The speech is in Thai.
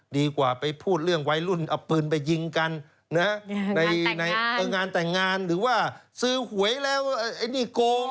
ดีกว่าไปพูดเรื่องวัยรุ่นเอาปืนไปยิงกันนะในงานแต่งงานหรือว่าซื้อหวยแล้วไอ้นี่โกง